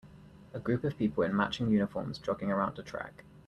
A group of people in matching uniforms jogging around a track.